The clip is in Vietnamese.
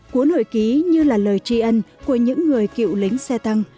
cuốn hồi ký như là lời tri ân của những người cựu lính xe tăng